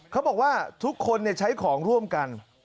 เขาบอกว่าทุกคนใช้ของร่วมกัน